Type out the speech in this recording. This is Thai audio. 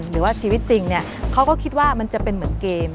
หรือว่าชีวิตจริงเขาก็คิดว่ามันจะเป็นเหมือนเกม